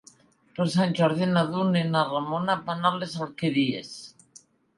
Per Sant Jordi na Duna i na Ramona van a les Alqueries.